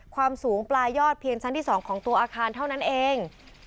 ความสูงปลายยอดเพียงชั้นที่๒ของตัวอาคารเท่านั้นเอง